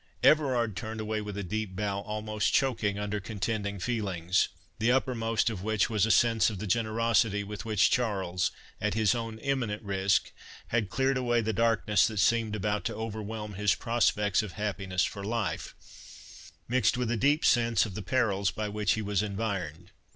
Everard turned away with a deep bow, almost choking under contending feelings; the uppermost of which was a sense of the generosity with which Charles, at his own imminent risk, had cleared away the darkness that seemed about to overwhelm his prospects of happiness for life— mixed with a deep sense of the perils by which he was environed.